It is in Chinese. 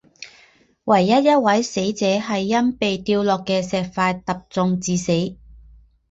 唯一一位死者系因被掉落的石块砸中致死。